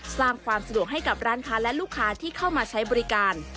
สร้างความสะดวกให้กับร้านค้าและลูกค้าที่เข้ามาใช้บริการ